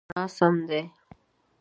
مشال: څراغ، رڼا سم دی.